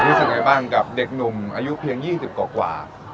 รู้สึกไงบ้างกับเด็กหนุ่มอายุเพียง๒๐กว่า